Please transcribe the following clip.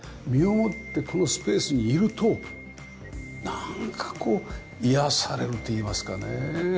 身をもってこのスペースにいるとなんかこう癒やされるといいますかね。